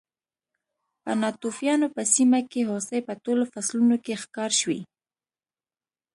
په ناتوفیانو په سیمه کې هوسۍ په ټولو فصلونو کې ښکار شوې